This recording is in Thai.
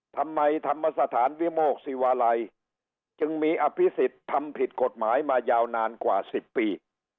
ธรรมสถานวิโมกศิวาลัยจึงมีอภิษฎทำผิดกฎหมายมายาวนานกว่า๑๐ปี